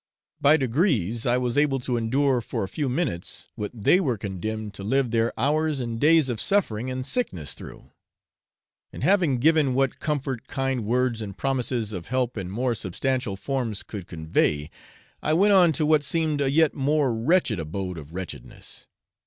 By degrees I was able to endure for a few minutes what they were condemned to live their hours and days of suffering and sickness through; and, having given what comfort kind words and promises of help in more substantial forms could convey, I went on to what seemed a yet more wretched abode of wretchedness.